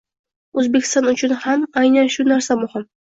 O‘zbekiston uchun ham aynan shu narsa muhim: